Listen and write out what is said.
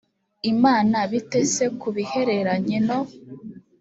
imana bite se ku bihereranye no